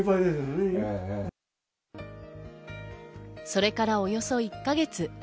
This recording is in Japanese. それからおよそ１か月。